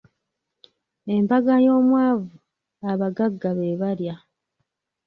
Embaga y’omwavu, abaggaga be balya.